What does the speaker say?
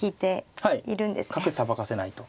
角さばかせないと。